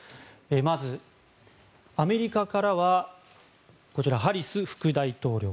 まず、アメリカからはハリス副大統領。